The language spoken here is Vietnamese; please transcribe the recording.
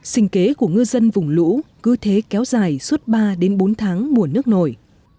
sinh kế của ngư dân vùng lũ cứ thế kéo dài suốt ba bốn tháng mùa nước nổi